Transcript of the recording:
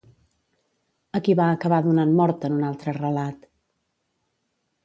A qui va acabar donant mort en un altre relat?